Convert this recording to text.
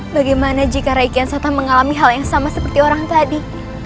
bagaimana jika raikian sata mengalami hal yang sama seperti orang tadi